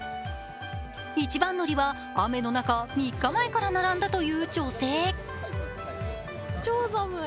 一番乗りは、雨の中３日前から並んだという女性。